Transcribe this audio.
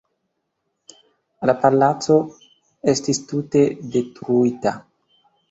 La palaco estis tute detruita.